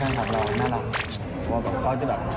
แฟนคลับเราน่ารัก